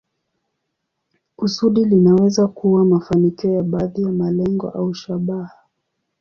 Kusudi linaweza kuwa mafanikio ya baadhi ya malengo au shabaha.